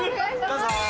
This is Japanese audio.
どうぞ。